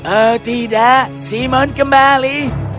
oh tidak simon kembali